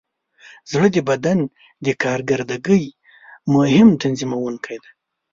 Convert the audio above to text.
زړه د بدن د کارکردګۍ مهم تنظیموونکی دی.